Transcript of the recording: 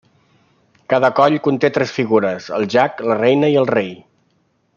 Cada coll conté tres figures, el jack, la reina i el rei.